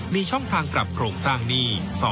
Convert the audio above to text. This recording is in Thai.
มีช่องทางกลับโครงสร้างหนี้